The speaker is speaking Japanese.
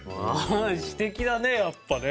詩的だねやっぱね。